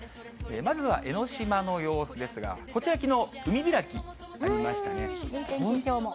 まずは江の島の様子ですが、こちら、きのう、海開き、ありまいい天気、きょうも。